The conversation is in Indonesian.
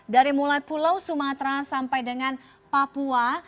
dari mulai pulau sumatera sampai dengan papua